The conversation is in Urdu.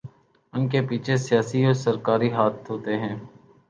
انکے پیچھے سیاسی و سرکاری ہاتھ ہوتے ہیں